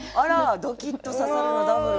「ドキッ」と「刺さる」のダブル。